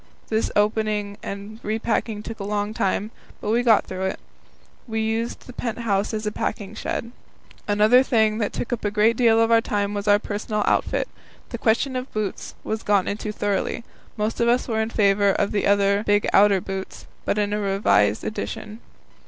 This opening and repacking took a long time, but we got through it. We used the pent house as a packing shed. Another thing that took up a good deal of our time was our personal outfit. The question of boots was gone into thoroughly. Most of us were in favour of the big outer boots, but in a revised edition.